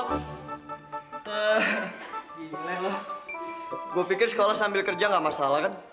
eh gila lo gue pikir sekolah sambil kerja gak masalah kan